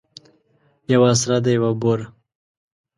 یوه سره ده یوه بوره.